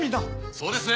そうですね。